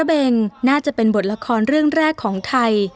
การแสดงระเบิ่งน่าจะเป็นบทละครเรื่องแรกของไทย